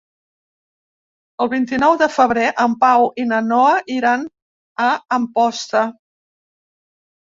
El vint-i-nou de febrer en Pau i na Noa iran a Amposta.